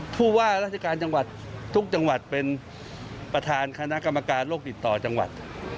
ผู้ว่าราชการจังหวัดทุกจังหวัดเป็นประธานคณะกรรมการโรคติดต่อจังหวัด